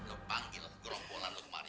lu panggil gerombolan lu kemari